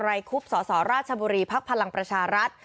ไคุบสสราชบุรีภักดิ์พลังประชารัฐ